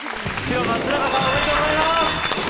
おめでとうございます